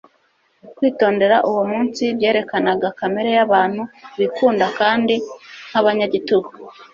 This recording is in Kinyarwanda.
kwitondera uwo munsi byerekanaga kamere y'abantu bikunda kandi b'abanyagitugu.